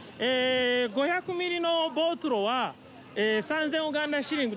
５００ミリのボトルは３，０００ウガンダ・シリング。